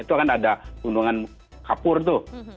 itu kan ada gunungan kapur tuh